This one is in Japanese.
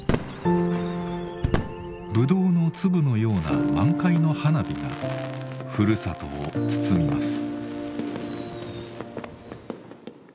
ぶどうの粒のような満開の花火がふるさとを包みます。